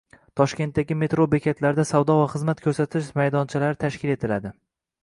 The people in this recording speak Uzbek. Toshkentdagi metro bekatlarida savdo va xizmat ko‘rsatish maydonchalari tashkil etiladi